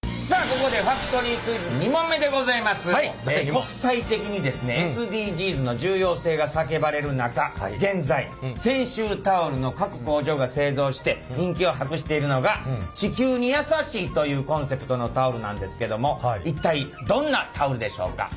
国際的にですねＳＤＧｓの重要性が叫ばれる中現在泉州タオルの各工場が製造して人気を博しているのが地球に優しいというコンセプトのタオルなんですけども一体どんなタオルでしょうか？